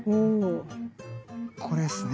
これっすね。